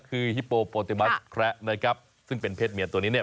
คือฮิโปโปติมัสแคระนะครับซึ่งเป็นเพศเมียตัวนี้เนี่ย